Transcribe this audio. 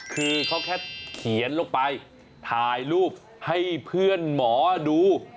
คือเขาแค่เขียนลงไปถ่ายรูปให้เพื่อนหมอดู